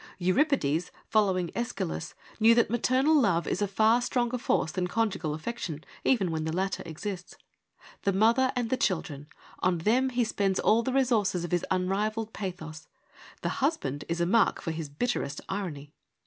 Euripides, following iEschylus, knew that maternal love is a far stronger force than conjugal affection, even when the latter exists. The mother and the children — on them he spends all the resources of his unrivalled pathos — the husband is a mark for his bitterest irony.